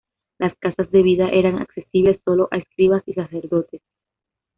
Las Casas de Vida eran accesibles sólo a escribas y sacerdotes.